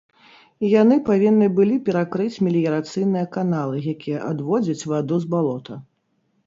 Яны павінны былі перакрыць меліярацыйныя каналы, якія адводзяць ваду з балота.